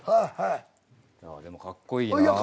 でもかっこいいなぁ。